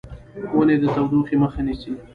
ونې د تودوخې مخه نیسي.